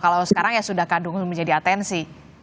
kalau sekarang ya sudah kadung menjadi atensi